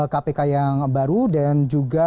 kpk yang baru dan juga